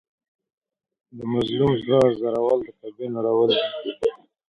د مظلوم زړه ازارول د کعبې نړول دي.